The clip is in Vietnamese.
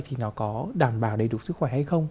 thì nó có đảm bảo đầy đủ sức khỏe hay không